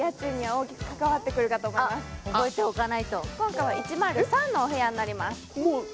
今回は１０３のお部屋になります。